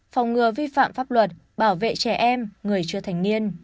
phòng ngừa vi phạm pháp luật bảo vệ trẻ em người chưa thành niên